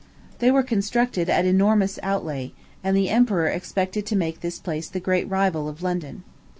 They were constructed at an enormous outlay; and the emperor expected to make this place the great rival of London.